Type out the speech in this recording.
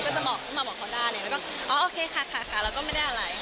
ก็จะมาบอกเขาได้แล้วก็อ๋อโอเคค่ะค่ะค่ะแล้วก็ไม่ได้อะไร